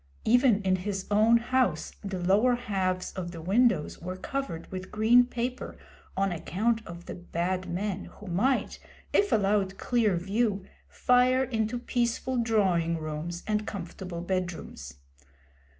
Even in his own house the lower halves of the windows were covered with green paper on account of the Bad Men who might, if allowed clear view, fire into peaceful drawing rooms and comfortable bedrooms.